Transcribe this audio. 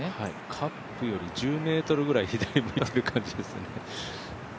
カップより１０ｍくらい左向いてる感じですね。